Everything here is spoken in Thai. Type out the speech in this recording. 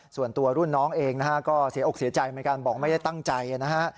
ส่วนตัวรุ่นน้องเองนะฮะก็เสียอกเสียใจเหมือนกันบอกไม่ได้ตั้งใจนะฮะ